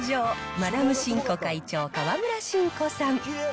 マダムシンコ会長、川村信子さん。